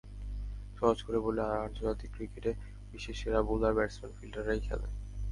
সহজ করে বললে, আন্তর্জাতিক ক্রিকেটে বিশ্বের সেরা বোলার, ব্যাটসম্যান, ফিল্ডাররাই খেলে।